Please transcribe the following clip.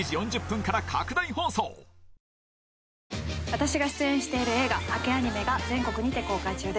私が出演している映画『ハケンアニメ！』が全国にて公開中です。